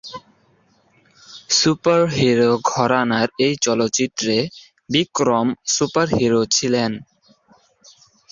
Superhero ঘরানার এই চলচ্চিত্রে বিক্রম সুপারহিরো ছিলেন।